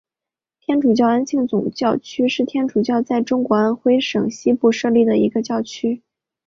天主教安庆总教区是天主教在中国安徽省西部设立的一个教区。